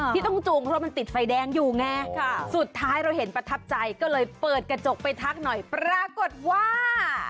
ที่ต้องจูงเพราะมันติดไฟแดงอยู่ไงสุดท้ายเราเห็นประทับใจก็เลยเปิดกระจกไปทักหน่อยปรากฏว่า